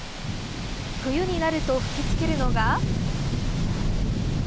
冬になると吹きつけるのが。